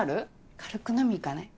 軽く飲み行かない？